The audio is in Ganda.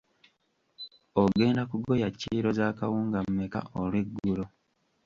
Ogenda kugoya kiro z'akawunga mmeka olweggulo?